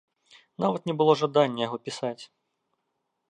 Нават не было жадання яго пісаць.